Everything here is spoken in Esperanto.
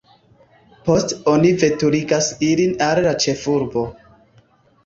Poste oni veturigas ilin al la ĉefurbo.